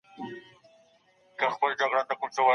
د ميرمنو حقوق په قرآن او سنت کي ثابت دي؟